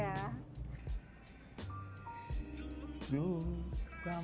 jangan lupa subscribe like share dan share ya